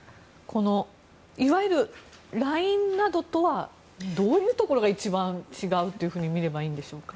いわゆるＬＩＮＥなどとはどういうところが違うというふうに見ればいいんでしょうか。